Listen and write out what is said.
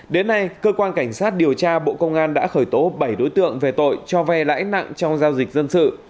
đến nay cơ quan cảnh sát điều tra bộ công an đã khởi tố bảy đối tượng về tội cho vay lãi nặng trong giao dịch dân sự